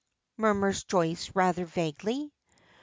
murmurs Joyce rather vaguely.